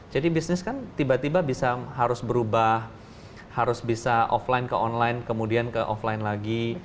jadi tiba tiba bisa harus berubah harus bisa offline ke online kemudian ke offline lagi